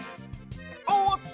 おっと！